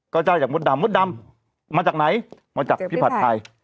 ก็เจ้าจากมดดำมดดำมาจากไหนมาจากพี่ผัดไทย